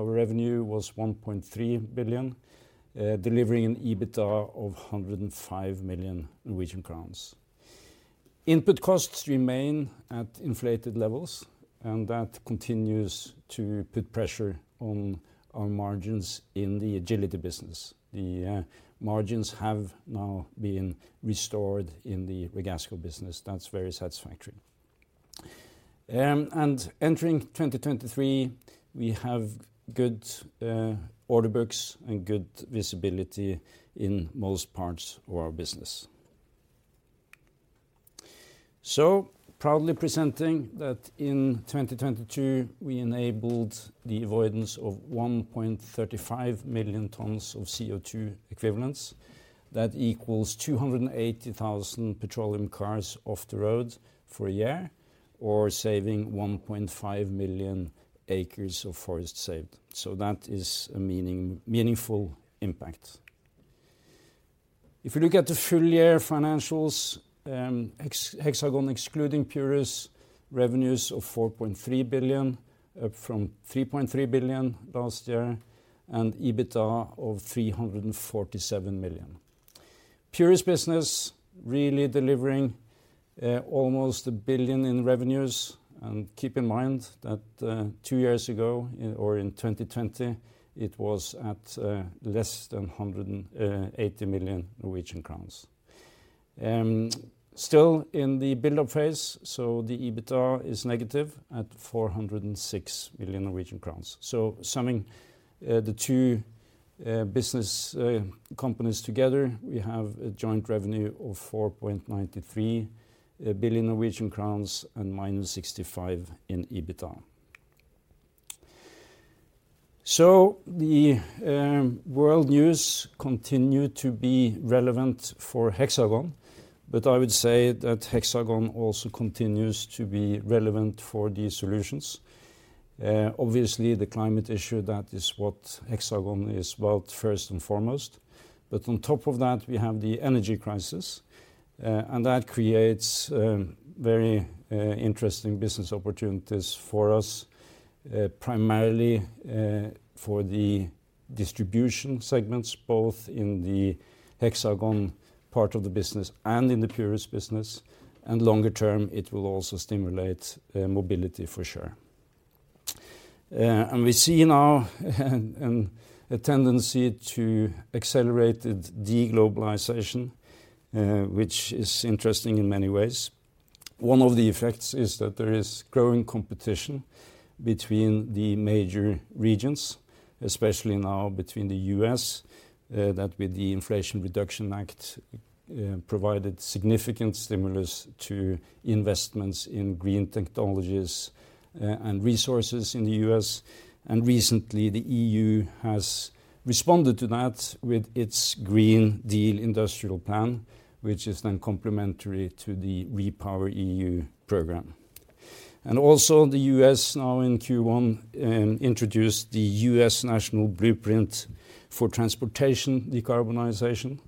Our revenue was 1.3 billion, delivering an EBITDA of 105 million Norwegian crowns. Input costs remain at inflated levels, and that continues to put pressure on margins in the Agility business. The margins have now been restored in the Ragasco business. That's very satisfactory. Entering 2023, we have good order books and good visibility in most parts of our business. Proudly presenting that in 2022 we enabled the avoidance of 1.35 million tons of CO2 equivalents. That equals 280,000 petroleum cars off the road for a year or saving 1.5 million acres of forest saved. That is a meaningful impact. If you look at the full year financials, Hexagon excluding Purus revenues of 4.3 billion up from 3.3 billion last year and EBITDA of 347 million. Purus business really delivering almost 1 billion in revenues, and keep in mind that two years ago or in 2020 it was at less than 180 million Norwegian crowns. Still in the build-up phase, the EBITDA is negative at 406 million Norwegian crowns. Summing the two business companies together, we have a joint revenue of 4.93 billion Norwegian crowns and -65 million in EBITDA. The world news continued to be relevant for Hexagon, but I would say that Hexagon also continues to be relevant for these solutions. Obviously the climate issue, that is what Hexagon is about first and foremost. On top of that, we have the energy crisis, and that creates very interesting business opportunities for us, primarily for the distribution segments, both in the Hexagon part of the business and in the Purus business. Longer term it will also stimulate mobility for sure. We see now a tendency to accelerated de-globalization, which is interesting in many ways. One of the effects is that there is growing competition between the major regions, especially now between the U.S., that with the Inflation Reduction Act, provided significant stimulus to investments in green technologies and resources in the U.S. Recently, the EU has responded to that with its Green Deal Industrial Plan, which is then complementary to the REPowerEU program. The U.S. now in Q1 introduced the U.S. National Blueprint for Transportation Decarbonization,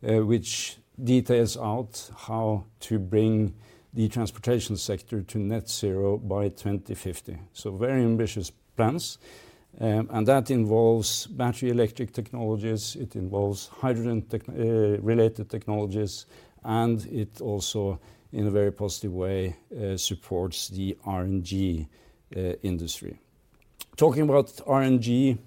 which details out how to bring the transportation sector to net zero by 2050. Very ambitious plans. That involves battery electric technologies, it involves hydrogen related technologies, and it also in a very positive way supports the RNG industry. Talking about RNG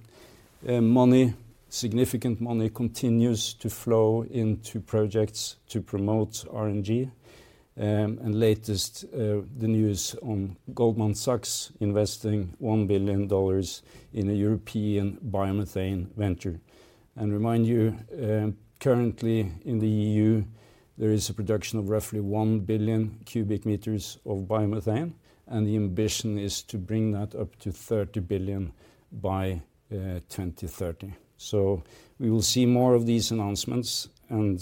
money, significant money continues to flow into projects to promote RNG. Latest the news on Goldman Sachs investing $1 billion in a European biomethane venture. Remind you, currently in the EU, there is a production of roughly 1 billion cubic meters of biomethane, and the ambition is to bring that up to 30 billion by 2030. We will see more of these announcements and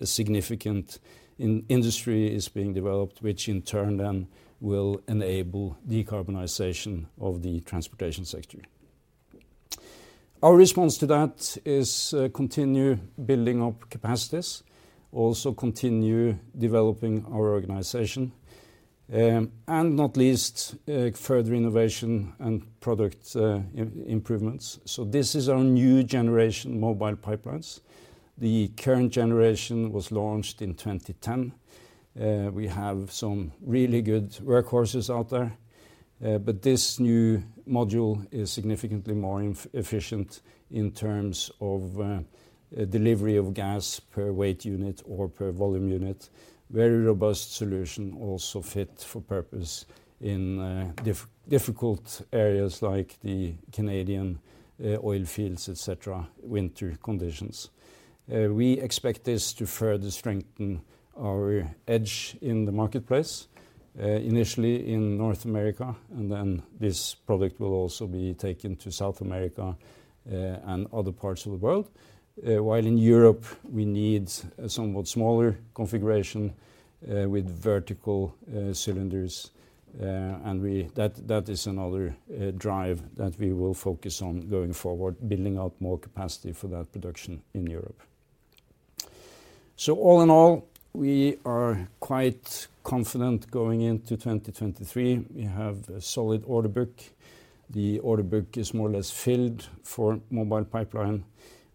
a significant industry is being developed, which in turn then will enable decarbonization of the transportation sector. Our response to that is continue building up capacities, also continue developing our organization, and not least, further innovation and product improvements. This is our new generation Mobile Pipelines. The current generation was launched in 2010. We have some really good workhorses out there, but this new module is significantly more efficient in terms of delivery of gas per weight unit or per volume unit. Very robust solution, also fit for purpose in difficult areas like the Canadian oil fields, et cetera, winter conditions. We expect this to further strengthen our edge in the marketplace, initially in North America, and then this product will also be taken to South America, and other parts of the world. While in Europe we need a somewhat smaller configuration, with vertical, cylinders. That is another drive that we will focus on going forward, building up more capacity for that production in Europe. All in all, we are quite confident going into 2023. We have a solid order book. The order book is more or less filled for Mobile Pipeline.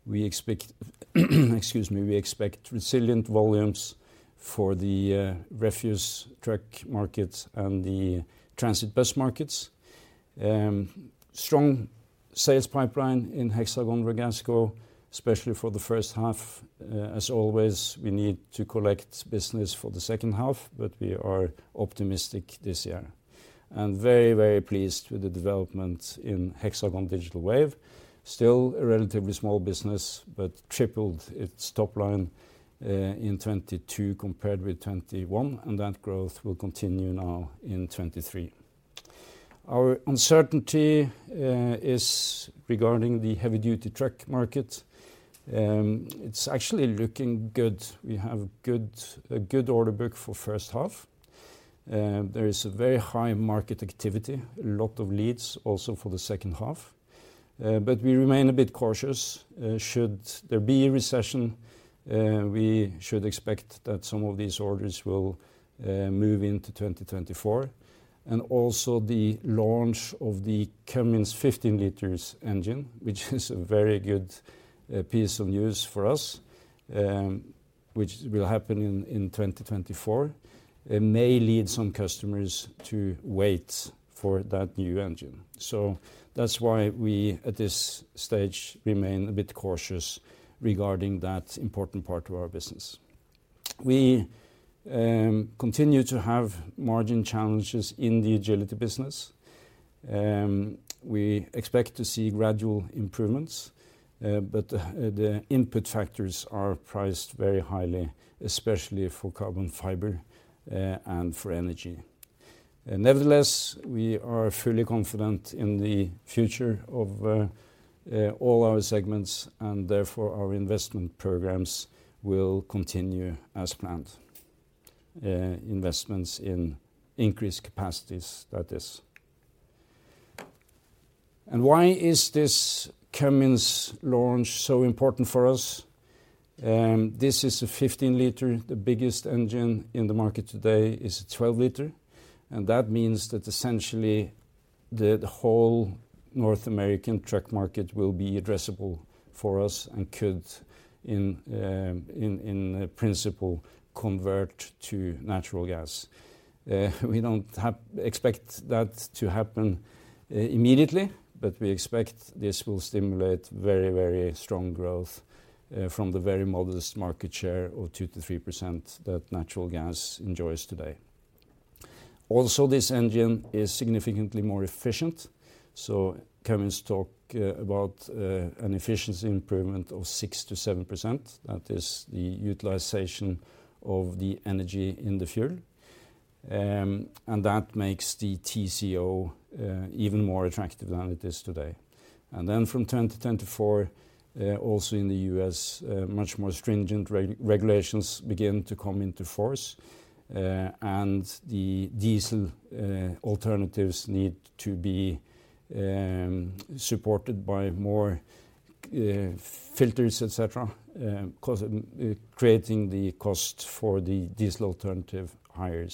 We expect, excuse me, we expect resilient volumes for the refuse truck market and the transit bus markets. Strong sales pipeline in Hexagon Braskem, especially for the first half. As always, we need to collect business for the second half, but we are optimistic this year. Very, very pleased with the development in Hexagon Digital Wave. Still a relatively small business, but tripled its top line in 2022 compared with 2021, and that growth will continue now in 2023. Our uncertainty is regarding the heavy-duty truck market. It's actually looking good. We have a good order book for first half. There is a very high market activity, a lot of leads also for the second half. But we remain a bit cautious. Should there be a recession, we should expect that some of these orders will move into 2024. Also the launch of the Cummins 15-liter engine, which is a very good piece of news for us, which will happen in 2024, it may lead some customers to wait for that new engine. That's why we, at this stage, remain a bit cautious regarding that important part of our business. We continue to have margin challenges in the Agility business. We expect to see gradual improvements, but the input factors are priced very highly, especially for carbon fiber, and for energy. Nevertheless, we are fully confident in the future of all our segments, and therefore our investment programs will continue as planned. Investments in increased capacities that is. Why is this Cummins launch so important for us? This is a 15-liter. The biggest engine in the market today is a 12-liter, that means that essentially the whole North American truck market will be addressable for us and could in principle convert to natural gas. We don't expect that to happen immediately, but we expect this will stimulate very strong growth from the very modest market share of 2%-3% that natural gas enjoys today. This engine is significantly more efficient. Cummins talk about an efficiency improvement of 6%-7%. That is the utilization of the energy in the fuel. That makes the TCO even more attractive than it is today. From 2024, also in the U.S., much more stringent regulations begin to come into force, and the diesel alternatives need to be supported by more filters, et cetera, creating the cost for the diesel alternative higher.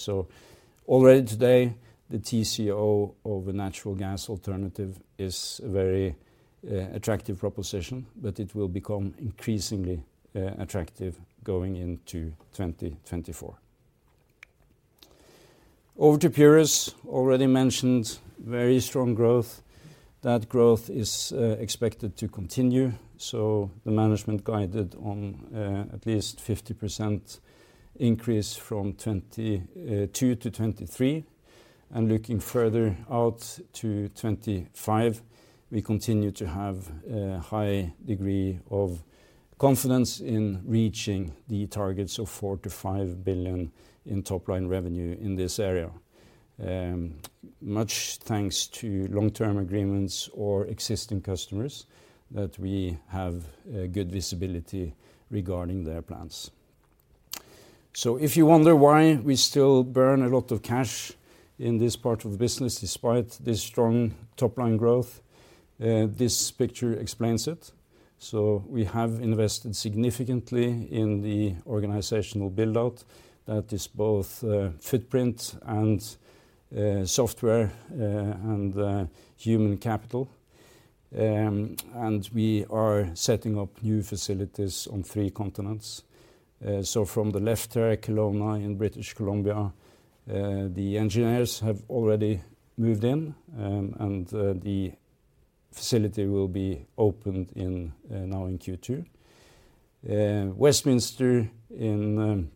Already today, the TCO of a natural gas alternative is a very attractive proposition, but it will become increasingly attractive going into 2024. Over to Purus, already mentioned very strong growth. That growth is expected to continue, the management guided on at least 50% increase from 2022 to 2023. Looking further out to 2025, we continue to have a high degree of confidence in reaching the targets of 4 billion-5 billion in top-line revenue in this area. Much thanks to long-term agreements or existing customers that we have good visibility regarding their plans. If you wonder why we still burn a lot of cash in this part of the business despite this strong top-line growth, this picture explains it. We have invested significantly in the organizational build-out that is both footprint and software and human capital. We are setting up new facilities on 3 continents. From the left, Kelowna in British Columbia, the engineers have already moved in, and the facility will be opened now in Q2. Westminster in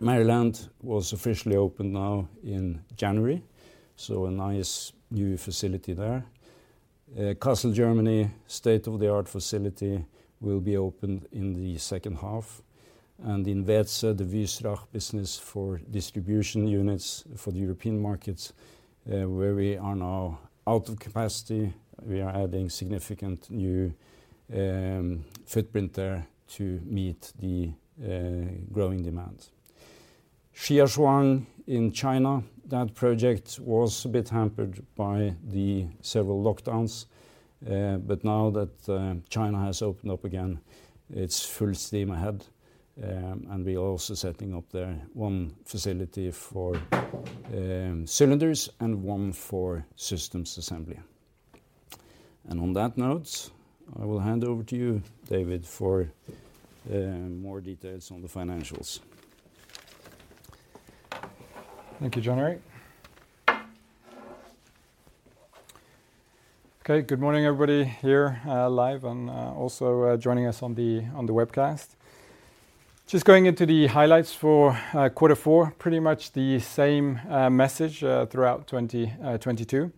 Maryland was officially opened now in January, so a nice new facility there. Kassel, Germany state-of-the-art facility will be opened in the second half. In Weeze, the Wystrach business for distribution units for the European markets, where we are now out of capacity, we are adding significant new footprint there to meet the growing demand. Shijiazhuang in China. That project was a bit hampered by the several lockdowns. Now that China has opened up again, it's full steam ahead. We're also setting up there one facility for cylinders and one for systems assembly. On that note, I will hand over to you, David, for more details on the financials. Thank you, Jon Erik. Okay, good morning everybody here, live and, also, joining us on the webcast. Just going into the highlights for quarter four, pretty much the same message throughout 2022.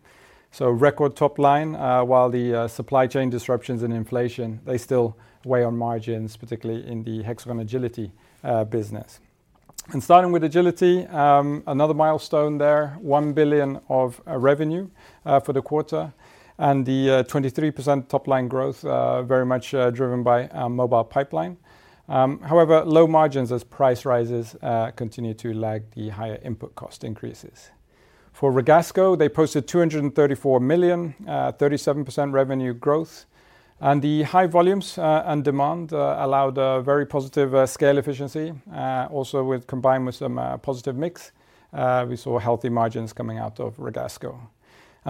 Record top line, while the supply chain disruptions and inflation, they still weigh on margins, particularly in the Hexagon Agility business. Starting with Agility, another milestone there, 1 billion of revenue for the quarter, and the 23% top line growth, very much driven by our Mobile Pipeline. However, low margins as price rises, continue to lag the higher input cost increases. For Ragasco, they posted 234 million, 37% revenue growth. The high volumes and demand allowed a very positive scale efficiency. Also with combined with some positive mix, we saw healthy margins coming out of Ragasco.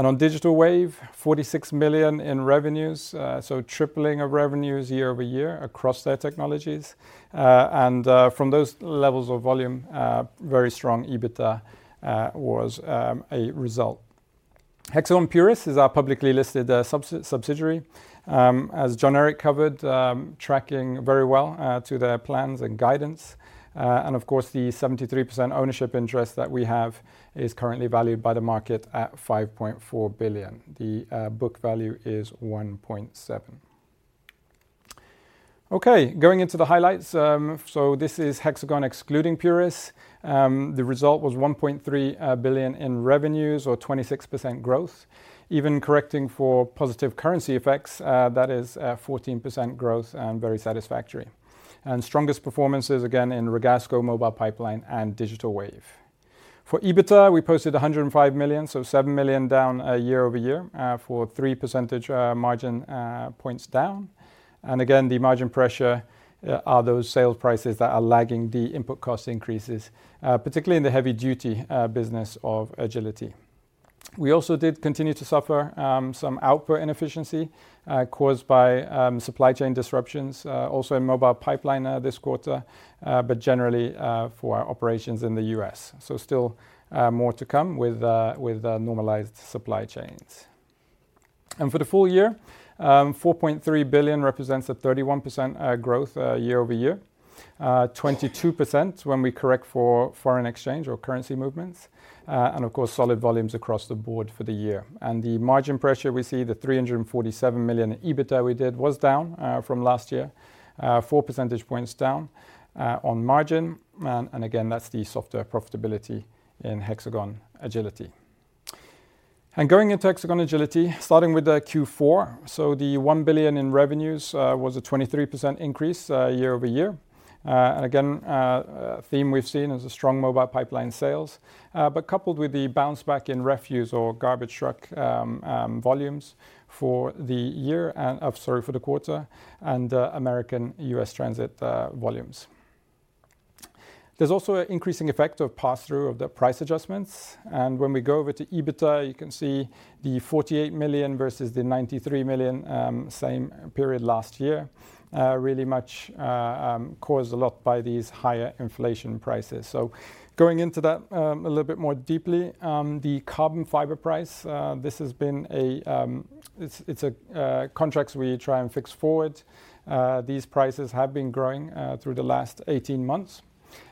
On Digital Wave, 46 million in revenues, so tripling of revenues year-over-year across their technologies. From those levels of volume, very strong EBITDA was a result. Hexagon Purus is our publicly listed subsidiary. As Jon Erik covered, tracking very well to their plans and guidance. Of course, the 73% ownership interest that we have is currently valued by the market at 5.4 billion. The book value is 1.7. Okay, going into the highlights. This is Hexagon excluding Purus. The result was 1.3 billion in revenues or 26% growth. Even correcting for positive currency effects, that is 14% growth and very satisfactory. Strongest performance is again in Ragasco, Mobile Pipeline and Digital Wave. For EBITDA, we posted 105 million, so 7 million down year-over-year, for 3 percentage points down. Again, the margin pressure are those sales prices that are lagging the input cost increases, particularly in the heavy duty business of Agility. We also did continue to suffer some output inefficiency caused by supply chain disruptions, also in Mobile Pipeline this quarter, but generally for our operations in the U.S. Still more to come with normalized supply chains. For the full year, 4.3 billion represents a 31% growth year-over-year. 22% when we correct for foreign exchange or currency movements. Of course, solid volumes across the board for the year. The margin pressure we see, the 347 million EBITDA we did was down from last year, 4 percentage points down on margin. Again, that's the softer profitability in Hexagon Agility. Going into Hexagon Agility, starting with Q4. The 1 billion in revenues was a 23% increase year-over-year. Again, theme we've seen is a strong Mobile Pipeline sales, but coupled with the bounce back in refuse or garbage truck volumes for the year and, sorry, for the quarter, and American U.S. transit volumes. There's also an increasing effect of pass-through of the price adjustments. When we go over to EBITDA, you can see the 48 million versus the 93 million same period last year, really much caused a lot by these higher inflation prices. Going into that a little bit more deeply, the carbon fiber price, this has been a. It's a contracts we try and fix forward. These prices have been growing through the last 18 months.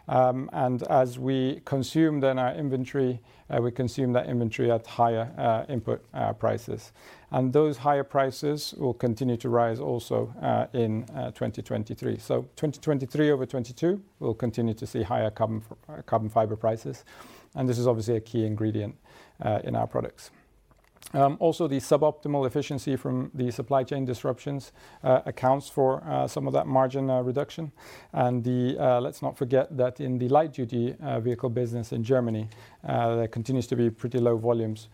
As we consume then our inventory, we consume that inventory at higher input prices. Those higher prices will continue to rise also in 2023. 2023 over 2022, we'll continue to see higher carbon fiber prices, and this is obviously a key ingredient in our products. Also, the suboptimal efficiency from the supply chain disruptions accounts for some of that margin reduction. Let's not forget that in the light duty vehicle business in Germany, there continues to be pretty low volumes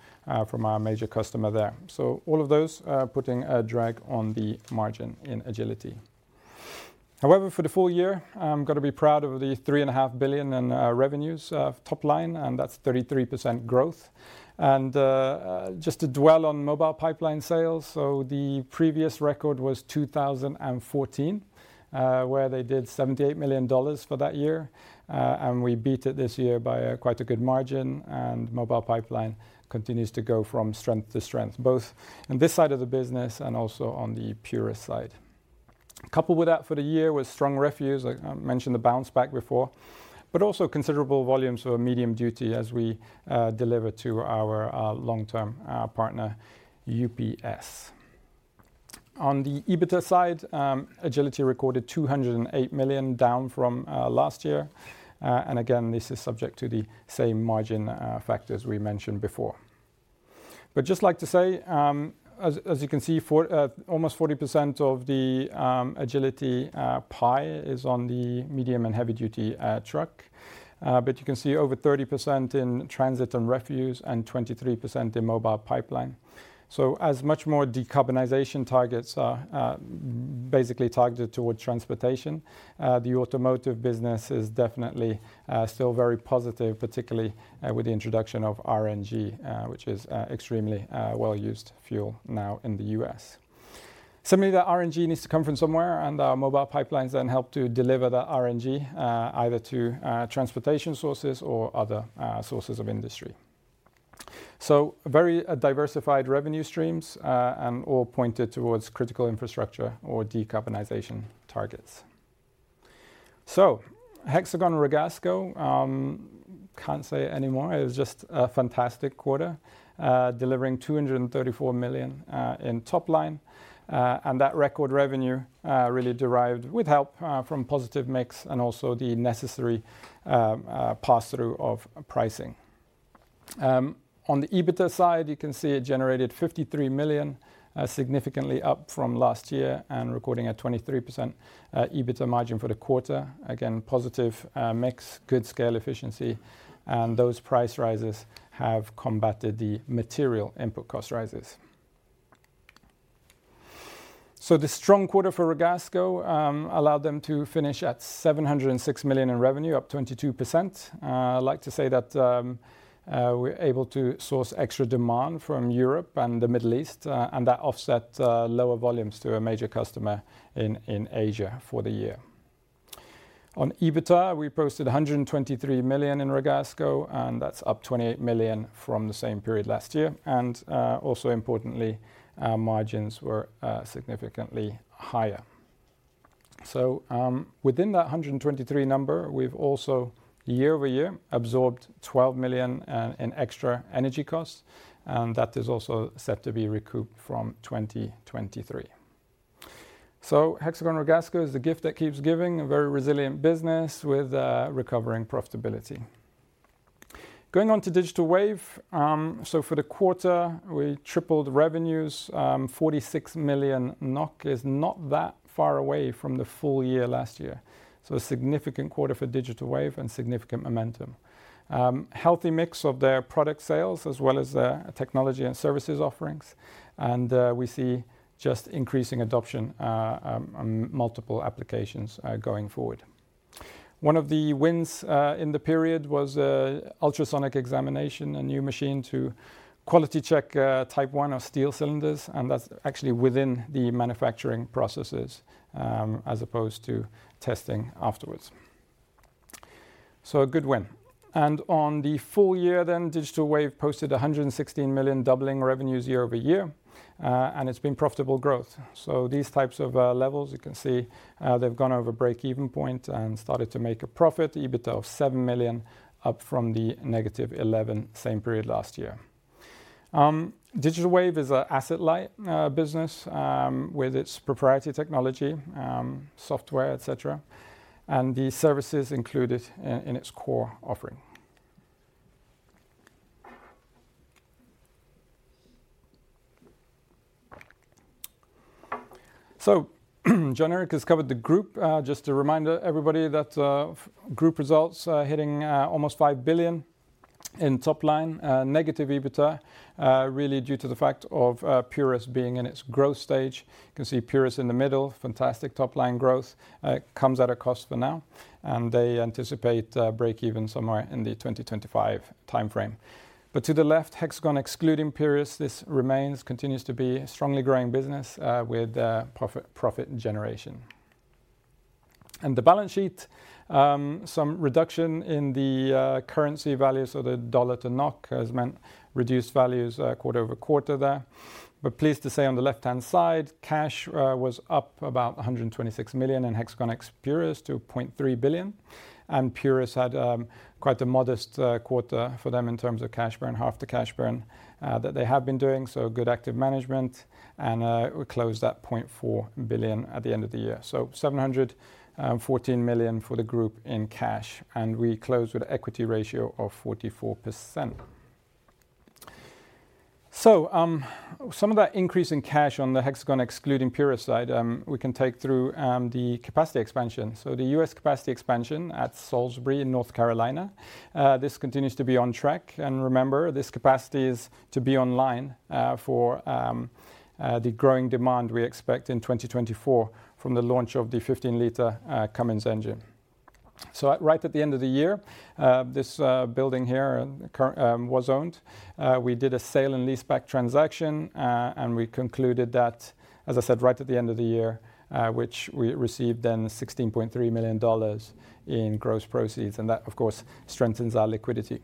from our major customer there. All of those putting a drag on the margin in Agility. However, for the full year, I'm gonna be proud of the $3.5 billion in revenues, top line, and that's 33% growth. Just to dwell on Mobile Pipeline sales, so the previous record was 2014, where they did $78 million for that year. We beat it this year by quite a good margin, and Mobile Pipeline continues to go from strength to strength, both in this side of the business and also on the Purus side. Coupled with that for the year was strong refuse, like mentioned the bounce back before, but also considerable volumes for medium duty as we deliver to our long-term partner, UPS. On the EBITDA side, Agility recorded 208 million down from last year. Again, this is subject to the same margin factors we mentioned before. Just like to say, as you can see for almost 40% of the Agility pie is on the medium and heavy duty truck. You can see over 30% in transit and refuse, and 23% in Mobile Pipeline. As much more decarbonization targets are basically targeted towards transportation, the automotive business is definitely still very positive, particularly with the introduction of RNG, which is extremely well-used fuel now in the U.S. Similarly, the RNG needs to come from somewhere, and our Mobile Pipelines then help to deliver the RNG, either to transportation sources or other sources of industry. Very diversified revenue streams, and all pointed towards critical infrastructure or decarbonization targets. Hexagon Ragasco, can't say it anymore. It was just a fantastic quarter, delivering 234 million in top line. That record revenue really derived with help from positive mix and also the necessary pass-through of pricing. On the EBITDA side, you can see it generated 53 million, significantly up from last year and recording a 23% EBITDA margin for the quarter. Again, positive mix, good scale efficiency, and those price rises have combated the material input cost rises. The strong quarter for Ragasco allowed them to finish at 706 million in revenue, up 22%. I'd like to say that we're able to source extra demand from Europe and the Middle East, and that offset lower volumes to a major customer in Asia for the year. On EBITDA, we posted 123 million in Ragasco, and that's up 28 million from the same period last year. Also importantly, our margins were significantly higher. Within that 123 number, we've also year-over-year absorbed 12 million in extra energy costs, and that is also set to be recouped from 2023. Hexagon Ragasco is the gift that keeps giving, a very resilient business with recovering profitability. Going on to Digital Wave, for the quarter, we tripled revenues. 46 million NOK is not that far away from the full year last year. A significant quarter for Digital Wave and significant momentum. Healthy mix of their product sales, as well as their technology and services offerings. We see just increasing adoption on multiple applications going forward. One of the wins in the period was ultrasonic examination, a new machine to quality check Type 1 of steel cylinders, and that's actually within the manufacturing processes as opposed to testing afterwards. A good win. On the full year then, Digital Wave posted 116 million doubling revenues year-over-year, and it's been profitable growth. These types of levels you can see, they've gone over break-even point and started to make a profit, EBITDA of 7 million up from the negative 11 same period last year. Digital Wave is a asset-light business with its proprietary technology, software, etc. The services included in its core offering. Generic has covered the group. Just a reminder, everybody, that group results are hitting almost 5 billion in top line, negative EBITDA, really due to the fact of Purus being in its growth stage. You can see Purus in the middle, fantastic top-line growth, comes at a cost for now, and they anticipate break even somewhere in the 2025 timeframe. To the left, Hexagon excluding Purus, this remains, continues to be a strongly growing business, with profit generation. The balance sheet, some reduction in the currency value, so the dollar to NOK has meant reduced values quarter-over-quarter there. Pleased to say on the left-hand side, cash was up about 126 million in Hexagon ex Purus to 0.3 billion. Purus had quite a modest quarter for them in terms of cash burn, half the cash burn that they have been doing, good active management. We closed at 0.4 billion at the end of the year. 714 million for the group in cash, we closed with equity ratio of 44%. Some of that increase in cash on the Hexagon excluding Purus side, we can take through the capacity expansion. The U.S. capacity expansion at Salisbury in North Carolina, this continues to be on track. Remember, this capacity is to be online for the growing demand we expect in 2024 from the launch of the 15-liter Cummins engine. Right at the end of the year, this building here was owned. We did a sale and leaseback transaction, we concluded that, as I said, right at the end of the year, which we received then $16.3 million in gross proceeds. That, of course, strengthens our liquidity.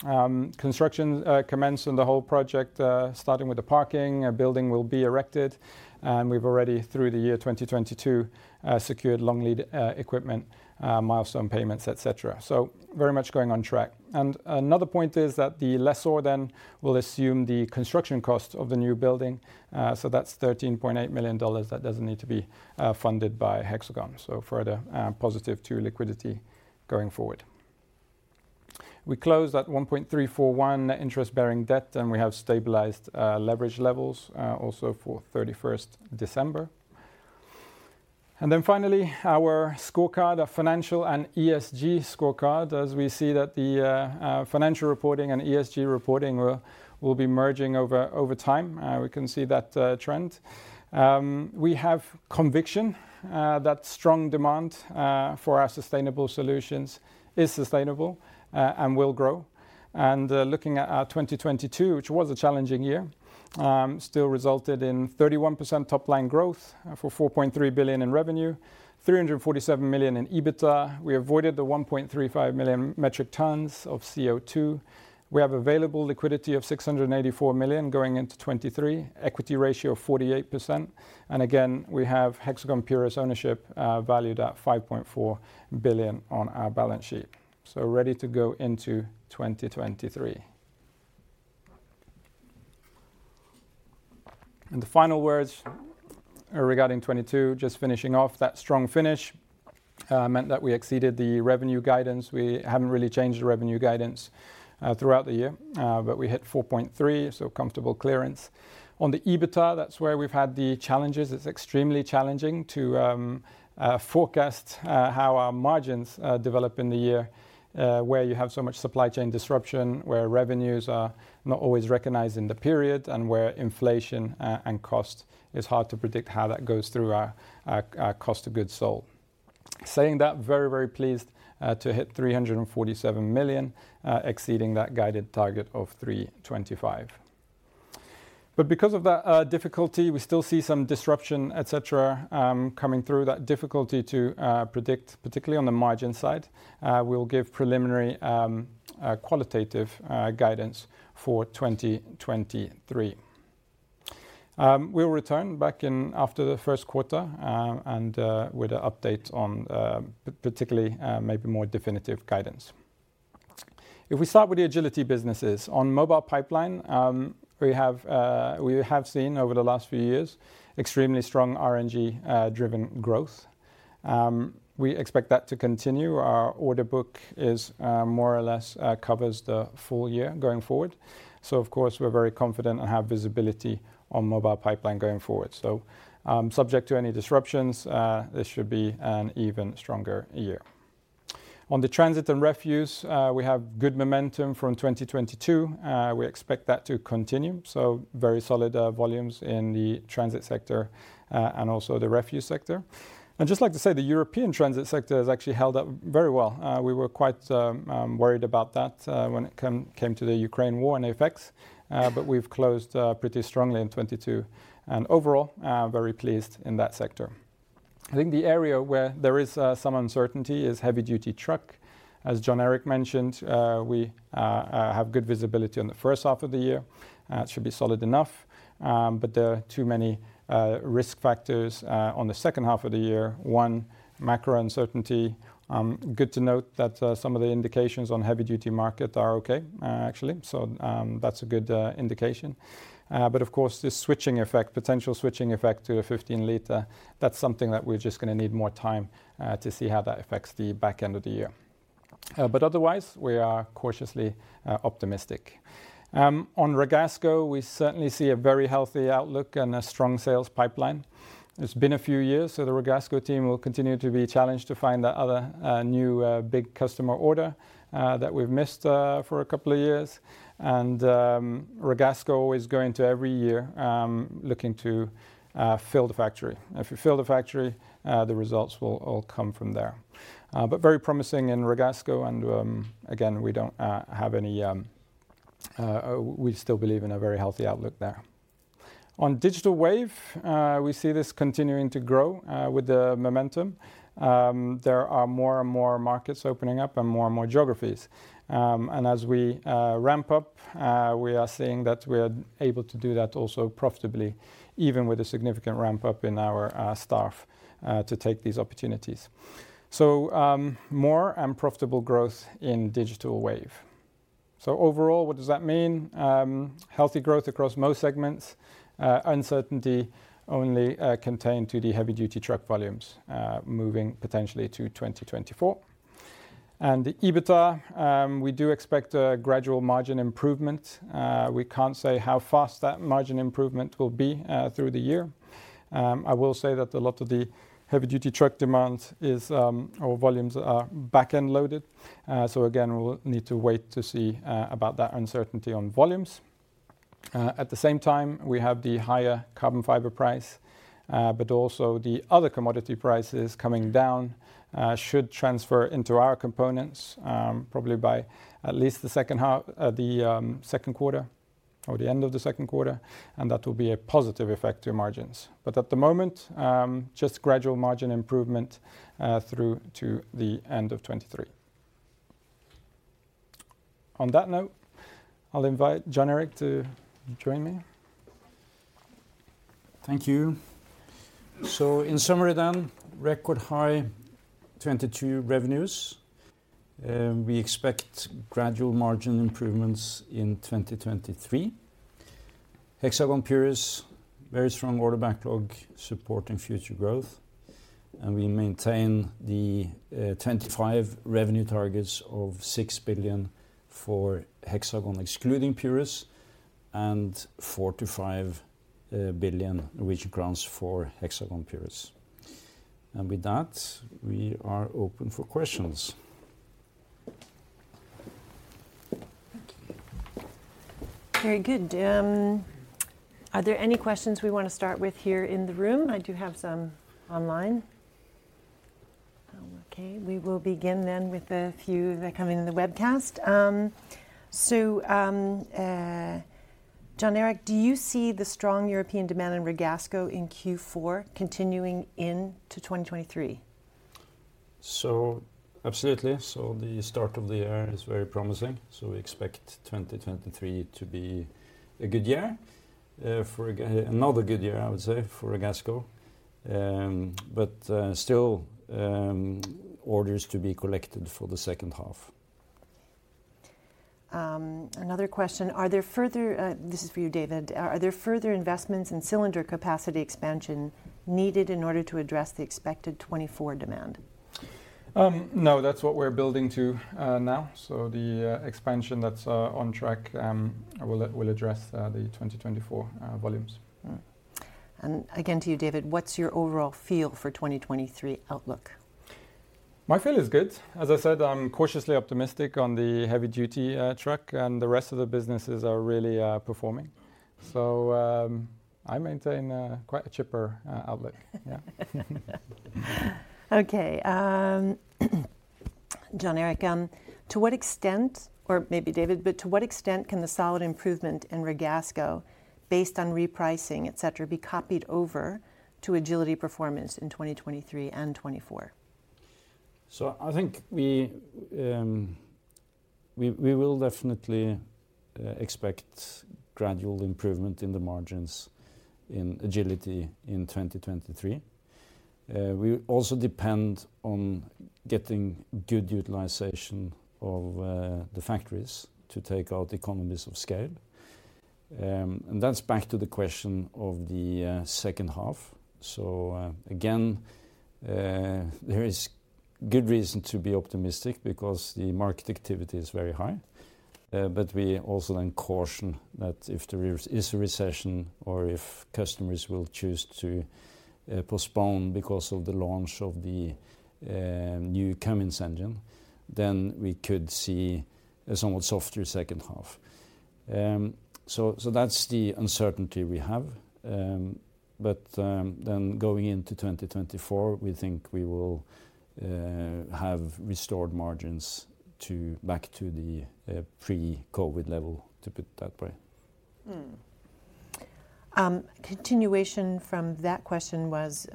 Construction commenced on the whole project, starting with the parking. A building will be erected, and we've already through the year 2022 secured long lead equipment, milestone payments, etc. Very much going on track. Another point is that the lessor then will assume the construction cost of the new building, that's $13.8 million that doesn't need to be funded by Hexagon. further positive to liquidity going forward. We closed at 1.341 interest-bearing debt, and we have stabilized leverage levels also for 31st December. Then finally, our scorecard, our financial and ESG scorecard, as we see that the financial reporting and ESG reporting will be merging over time. We can see that trend. We have conviction that strong demand for our sustainable solutions is sustainable and will grow. Looking at 2022, which was a challenging year, still resulted in 31% top line growth for 4.3 billion in revenue, 347 million in EBITDA. We avoided the 1.35 million metric tons of CO2. We have available liquidity of 684 million going into 2023, equity ratio of 48%. Again, we have Hexagon Purus ownership, valued at 5.4 billion on our balance sheet. Ready to go into 2023. The final words regarding 2022, just finishing off that strong finish, meant that we exceeded the revenue guidance. We hadn't really changed the revenue guidance throughout the year, but we hit 4.3 billion. Comfortable clearance. On the EBITDA, that's where we've had the challenges. It's extremely challenging to forecast how our margins develop in the year, where you have so much supply chain disruption, where revenues are not always recognized in the period, and where inflation and cost is hard to predict how that goes through our cost of goods sold. Saying that, very, very pleased to hit 347 million, exceeding that guided target of 325 million. Because of that, difficulty, we still see some disruption, et cetera, coming through, that difficulty to predict, particularly on the margin side. We'll give preliminary, qualitative, guidance for 2023. We'll return back in after the first quarter, and with an update on, particularly, maybe more definitive guidance. If we start with the Agility businesses, on Mobile Pipeline, we have seen over the last few years extremely strong RNG driven growth. We expect that to continue. Our order book is more or less covers the full year going forward. Of course, we're very confident and have visibility on Mobile Pipeline going forward. Subject to any disruptions, this should be an even stronger year. On the Transit and Refuse, we have good momentum from 2022. We expect that to continue, so very solid volumes in the transit sector and also the refuse sector. I'd just like to say the European transit sector has actually held up very well. We were quite worried about that when it came to the Ukraine war and effects, but we've closed pretty strongly in 2022, and overall, very pleased in that sector. I think the area where there is some uncertainty is Heavy Duty Truck. As Jon Erik mentioned, we have good visibility on the first half of the year. It should be solid enough, but there are too many risk factors on the second half of the year. One, macro uncertainty. Good to note that some of the indications on heavy duty market are okay, actually, that's a good indication. Of course, the switching effect, potential switching effect to a 15-liter, that's something that we're just gonna need more time to see how that affects the back end of the year. Otherwise, we are cautiously optimistic. On Ragasco, we certainly see a very healthy outlook and a strong sales pipeline. It's been a few years, the Ragasco team will continue to be challenged to find the other new big customer order that we've missed for a couple of years. Ragasco is going to every year looking to fill the factory. If we fill the factory, the results will all come from there. But very promising in Ragasco, and again, we don't have any, we still believe in a very healthy outlook there. On Digital Wave, we see this continuing to grow with the momentum. There are more and more markets opening up and more and more geographies. And as we ramp up, we are seeing that we are able to do that also profitably, even with a significant ramp up in our staff to take these opportunities. More and profitable growth in Digital Wave. Overall, what does that mean? Healthy growth across most segments. Uncertainty only contained to the Heavy Duty Truck volumes moving potentially to 2024. The EBITDA, we do expect a gradual margin improvement. We can't say how fast that margin improvement will be through the year. I will say that a lot of the Heavy Duty Truck demand is or volumes are back-end loaded. Again, we'll need to wait to see about that uncertainty on volumes. At the same time, we have the higher carbon fiber price, but also the other commodity prices coming down, should transfer into our components, probably by at least the second quarter or the end of the second quarter, and that will be a positive effect to margins. At the moment, just gradual margin improvement through to the end of 2023. On that note, I'll invite Jon-Erik to join me. Thank you. In summary, record high 2022 revenues. We expect gradual margin improvements in 2023. Hexagon Purus, very strong order backlog supporting future growth. We maintain the 2025 revenue targets of 6 billion for Hexagon excluding Purus, and 4 billion-5 billion, which accounts for Hexagon Purus. With that, we are open for questions. Thank you. Very good. Are there any questions we wanna start with here in the room? I do have some online. Okay, we will begin then with a few that are coming in the webcast. Jon Erik, do you see the strong European demand in Ragasco in Q4 continuing into 2023? Absolutely. The start of the year is very promising, so we expect 2023 to be a good year for another good year, I would say, for Ragasco. Still, orders to be collected for the second half. Another question. This is for you, David. Are there further investments in cylinder capacity expansion needed in order to address the expected 2024 demand? No, that's what we're building to, now, so the expansion that's on track, will address the 2024 volumes. again to you, David, what's your overall feel for 2023 outlook? My feel is good. As I said, I'm cautiously optimistic on the heavy-duty, truck, and the rest of the businesses are really, performing. I maintain a, quite a chipper, outlook. Yeah. Okay. Jon Erik, to what extent, or maybe David, but to what extent can the solid improvement in Ragasco, based on repricing, et cetera, be copied over to Agility performance in 2023 and 2024? I think we will definitely expect gradual improvement in the margins in Agility in 2023. We also depend on getting good utilization of the factories to take out economies of scale. That's back to the question of the second half. Again, there is good reason to be optimistic, because the market activity is very high. We also then caution that if there is a recession or if customers will choose to postpone because of the launch of the new Cummins engine, then we could see a somewhat softer second half. That's the uncertainty we have. Then going into 2024, we think we will have restored margins to, back to the pre-COVID level, to put it that way. Continuation from that question was,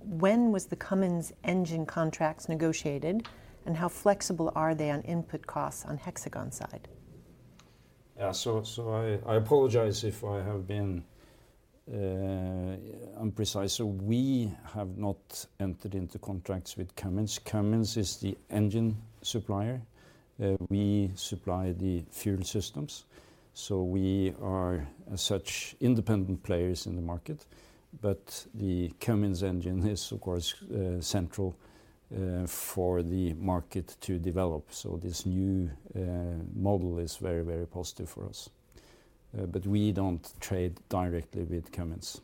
when was the Cummins engine contracts negotiated, and how flexible are they on input costs on Hexagon's side? Yeah. I apologize if I have been imprecise. We have not entered into contracts with Cummins. Cummins is the engine supplier. We supply the fuel systems, so we are such independent players in the market, but the Cummins engine is, of course, central for the market to develop, so this new model is very, very positive for us. We don't trade directly with Cummins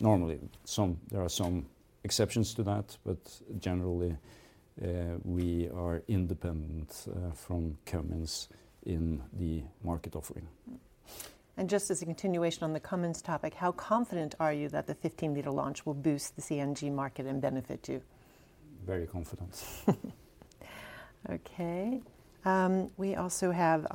normally. Some, there are some exceptions to that, but generally, we are independent from Cummins in the market offering. Just as a continuation on the Cummins topic, how confident are you that the 15-liter launch will boost the CNG market and benefit you? Very confident. We also have,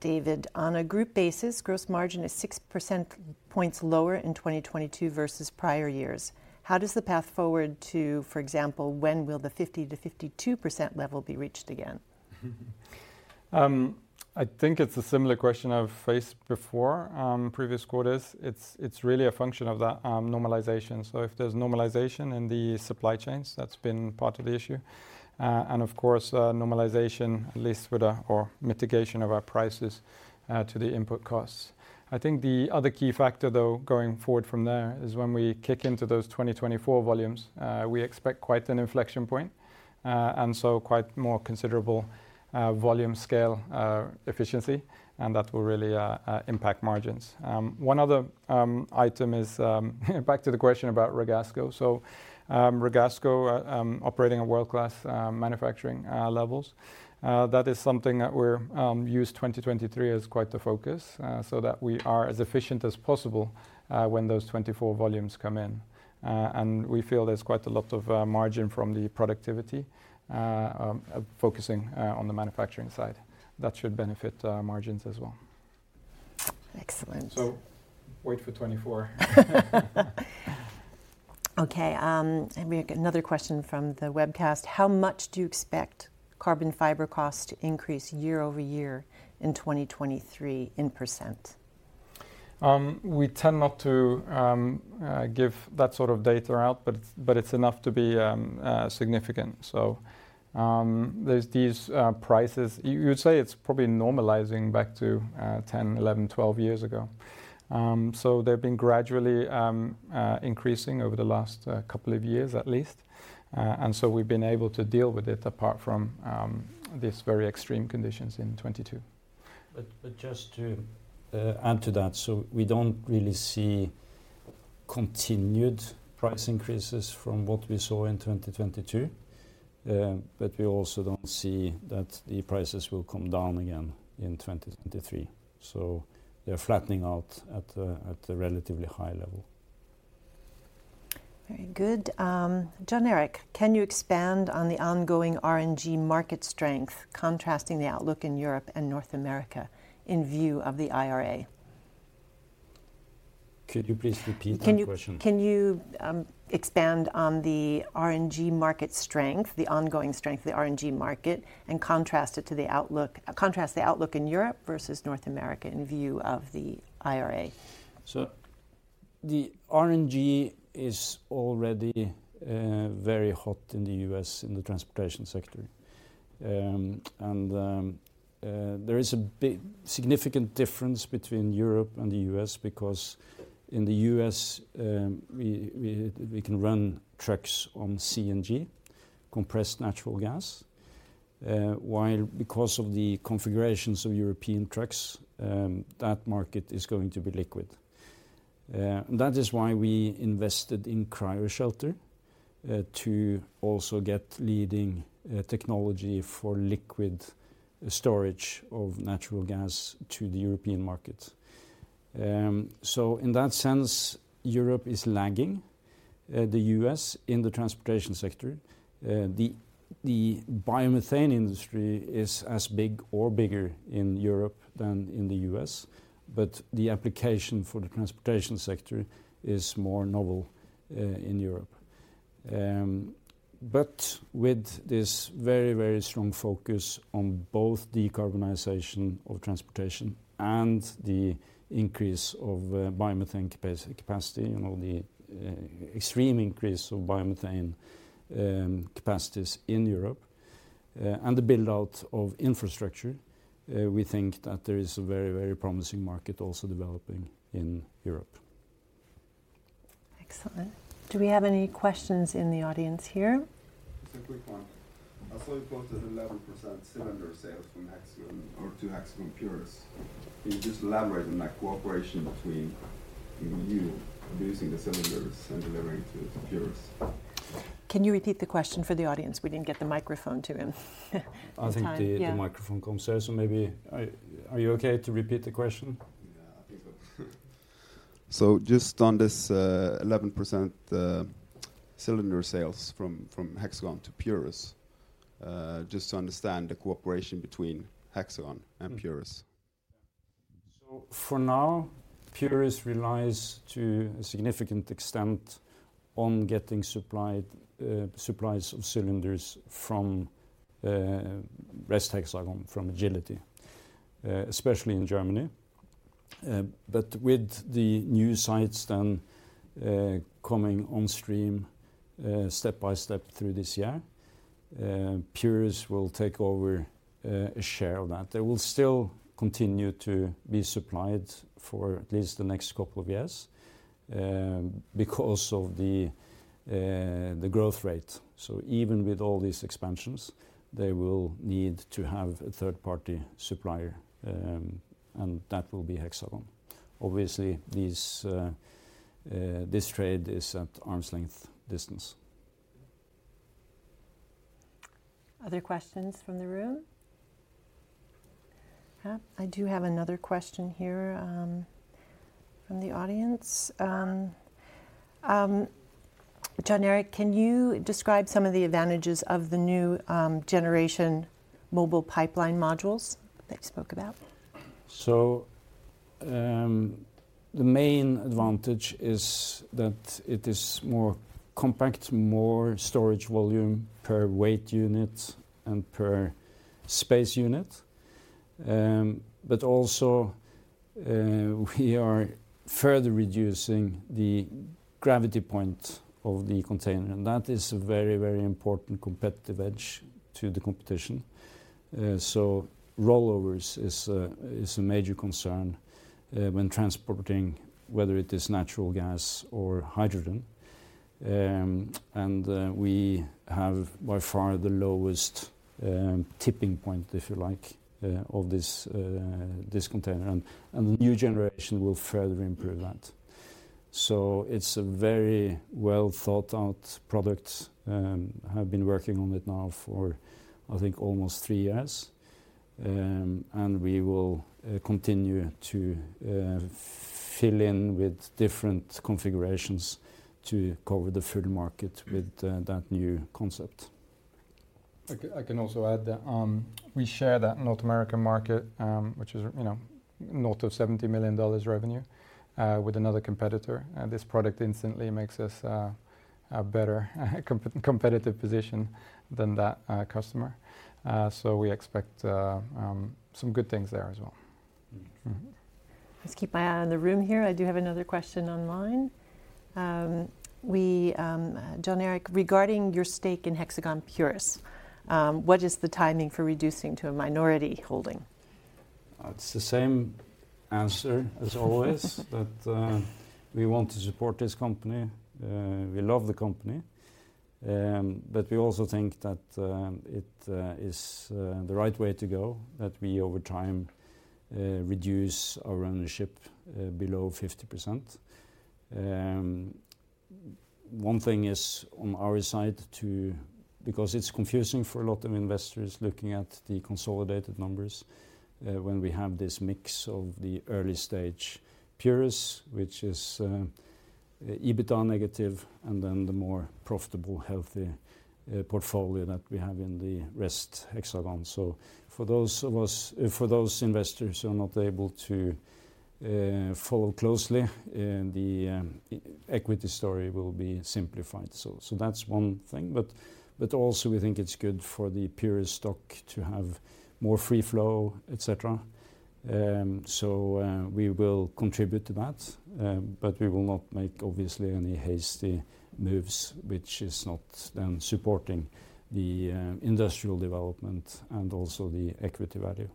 David, on a group basis, gross margin is 6 percent points lower in 2023 versus prior years. How does the path forward to, for example, when will the 50%-52% level be reached again? I think it's a similar question I've faced before, previous quarters. It's really a function of that normalization. If there's normalization in the supply chains, that's been part of the issue, and of course, normalization, at least with our, or mitigation of our prices, to the input costs. I think the other key factor, though, going forward from there, is when we kick into those 2024 volumes, we expect quite an inflection point. Quite more considerable, volume scale, efficiency, and that will really impact margins. One other item is back to the question about Ragasco. Ragasco operating at world-class manufacturing levels. That is something that we're use 2023 as quite the focus, so that we are as efficient as possible when those 2024 volumes come in. We feel there's quite a lot of margin from the productivity focusing on the manufacturing side. That should benefit margins as well. Excellent. Wait for 2024. Okay. We got another question from the webcast. How much do you expect carbon fiber cost to increase year-over-year in 2023, in %? We tend not to give that sort of data out, but it's enough to be significant. There's these prices. You'd say it's probably normalizing back to 10, 11, 12 years ago. They've been gradually increasing over the last couple of years at least. We've been able to deal with it apart from these very extreme conditions in 2022. Just to add to that. We don't really see continued price increases from what we saw in 2022. We also don't see that the prices will come down again in 2023. They're flattening out at a relatively high level. Very good. Jon Erik, can you expand on the ongoing RNG market strength contrasting the outlook in Europe and North America in view of the IRA? Could you please repeat that question? Can you expand on the RNG market strength, the ongoing strength of the RNG market, contrast the outlook in Europe versus North America in view of the IRA? The RNG is already very hot in the U.S. in the transportation sector. There is a big significant difference between Europe and the U.S. because in the U.S., we can run trucks on CNG, compressed natural gas, while because of the configurations of European trucks, that market is going to be liquid. That is why we invested in Cryoshelter to also get leading technology for liquid storage of natural gas to the European market. In that sense, Europe is lagging the U.S. in the transportation sector. The biomethane industry is as big or bigger in Europe than in the U.S., but the application for the transportation sector is more novel in Europe. With this very strong focus on both decarbonization of transportation and the increase of biomethane capacity, and all the extreme increase of biomethane capacities in Europe, and the build-out of infrastructure, we think that there is a very promising market also developing in Europe. Excellent. Do we have any questions in the audience here? Just a quick one. I saw you posted 11% cylinder sales from Hexagon or to Hexagon Purus. Can you just elaborate on that cooperation between you producing the cylinders and delivering to Purus? Can you repeat the question for the audience? We didn't get the microphone to him in time. I think the. Yeah The microphone comes there. maybe, are you okay to repeat the question? Yeah, I think so. Just on this, 11%, cylinder sales from Hexagon to Purus, just to understand the cooperation between Hexagon and Purus. For now, Purus relies to a significant extent on getting supplied, supplies of cylinders from, Hexagon from Agility, especially in Germany. With the new sites then, coming on stream, step by step through this year, Purus will take over a share of that. They will still continue to be supplied for at least the next couple of years, because of the growth rate. Even with all these expansions, they will need to have a third party supplier, and that will be Hexagon. Obviously, these, this trade is at arm's length distance. Other questions from the room? I do have another question here from the audience. Jon Erik, can you describe some of the advantages of the new generation Mobile Pipeline modules that you spoke about? The main advantage is that it is more compact, more storage volume per weight unit and per space unit. We are further reducing the gravity point of the container, and that is a very, very important competitive edge to the competition. Rollovers is a major concern when transporting, whether it is natural gas or hydrogen. We have by far the lowest tipping point, if you like, of this container. The new generation will further improve that. It's a very well thought out product. Have been working on it now for, I think, almost three years. We will continue to fill in with different configurations to cover the full market with that new concept. I can also add that we share that North American market, which is, you know, north of $70 million revenue, with another competitor. This product instantly makes us a better competitive position than that customer. We expect some good things there as well. Let's keep my eye on the room here. I do have another question online. We, Jon Erik, regarding your stake in Hexagon Purus, what is the timing for reducing to a minority holding? It's the same answer as always. That, we want to support this company. We love the company. We also think that it is the right way to go, that we over time reduce our ownership below 50%. One thing is on our side because it's confusing for a lot of investors looking at the consolidated numbers, when we have this mix of the early stage Purus, which is EBITDA negative, and then the more profitable healthy portfolio that we have in the rest Hexagon. For those of us, for those investors who are not able to follow closely, the equity story will be simplified. That's one thing, but also we think it's good for the Purus stock to have more free flow, et cetera. We will contribute to that. We will not make obviously any hasty moves, which is not supporting the industrial development and also the equity value.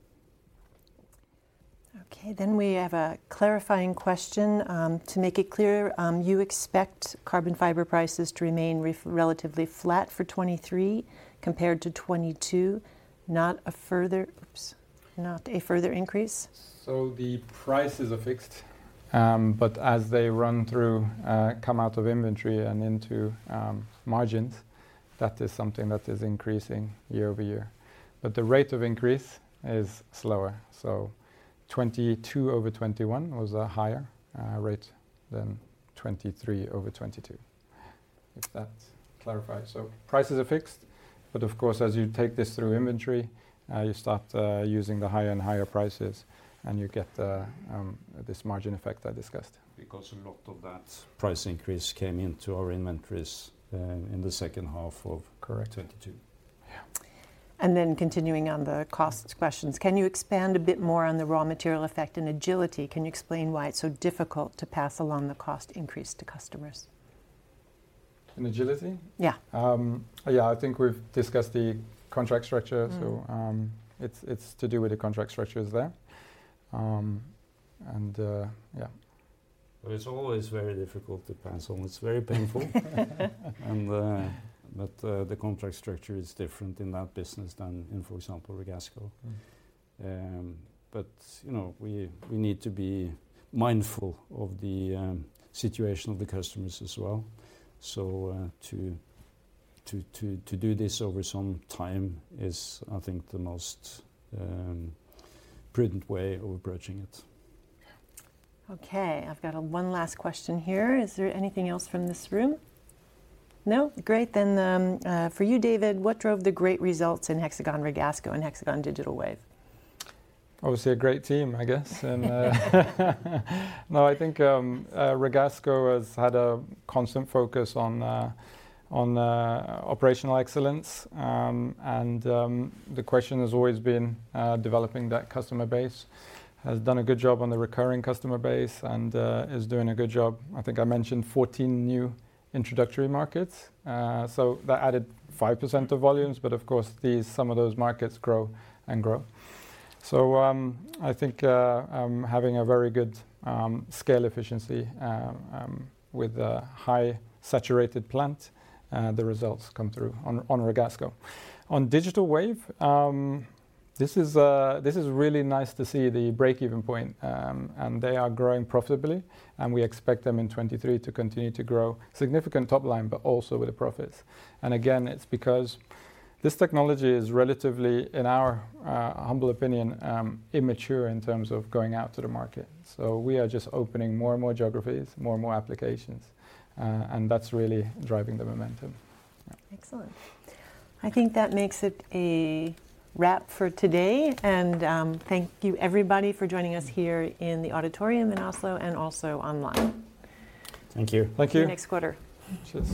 Okay. We have a clarifying question. To make it clear, you expect carbon fiber prices to remain relatively flat for 2023 compared to 2022, not a further increase? The prices are fixed. As they run through, come out of inventory and into margins, that is something that is increasing year over year, but the rate of increase is slower. 2022 over 2021 was a higher rate than 2023 over 2022. If that clarifies. Prices are fixed, but of course, as you take this through inventory, you start using the higher and higher prices, and you get this margin effect I discussed. A lot of that price increase came into our inventories, in the second half of. Correct. 2022. Continuing on the cost questions. Can you expand a bit more on the raw material effect in Agility? Can you explain why it's so difficult to pass along the cost increase to customers? In Agility? I think we've discussed the contract structure. It's to do with the contract structures there. Yeah. It's always very difficult to pass on. It's very painful. The contract structure is different in that business than in, for example, Ragasco. You know, we need to be mindful of the situation of the customers as well. To do this over some time is, I think, the most prudent way of approaching it. Okay. I've got one last question here. Is there anything else from this room? No? Great. For you, David, what drove the great results in Hexagon Ragasco and Hexagon Digital Wave? Obviously a great team, I guess, No, I think Ragasco has had a constant focus on operational excellence. The question has always been developing that customer base. Has done a good job on the recurring customer base and is doing a good job, I think I mentioned 14 new introductory markets. That added 5% to volumes, but of course these, some of those markets grow and grow. I think having a very good scale efficiency with a high saturated plant, the results come through on Ragasco. On Digital Wave, this is really nice to see the break-even point. They are growing profitably, and we expect them in 2023 to continue to grow significant top line, but also with the profits. It's because this technology is relatively, in our humble opinion, immature in terms of going out to the market. We are just opening more and more geographies, more and more applications, and that's really driving the momentum. Excellent. I think that makes it a wrap for today. Thank you everybody for joining us here in the auditorium in Oslo and also online. Thank you. Thank you. See you next quarter. Cheers.